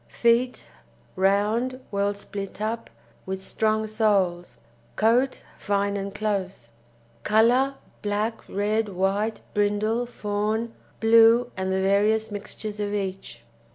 FEET Round, well split up, with strong soles. COAT Fine and close. COLOUR Black, red, white, brindle, fawn, blue, and the various mixtures of each.